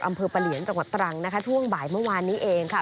ปะเหลียนจังหวัดตรังนะคะช่วงบ่ายเมื่อวานนี้เองค่ะ